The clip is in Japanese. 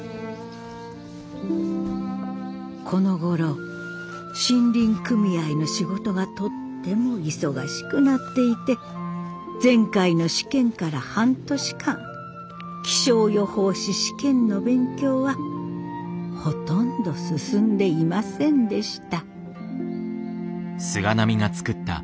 このごろ森林組合の仕事がとっても忙しくなっていて前回の試験から半年間気象予報士試験の勉強はほとんど進んでいませんでした。